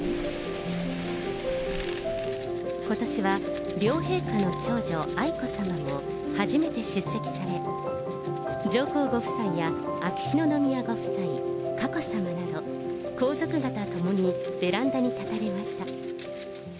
ことしは、両陛下の長女、愛子さまも初めて出席され、上皇ご夫妻や秋篠宮ご夫妻、佳子さまなど、皇族方と共にベランダに立たれました。